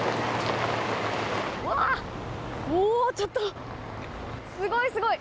ちょっとすごい、すごい。